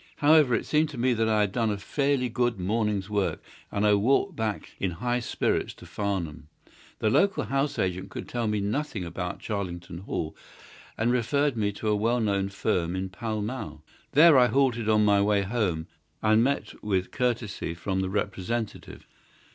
However, it seemed to me that I had done a fairly good morning's work, and I walked back in high spirits to Farnham. The local house agent could tell me nothing about Charlington Hall, and referred me to a well known firm in Pall Mall. There I halted on my way home, and met with courtesy from the representative.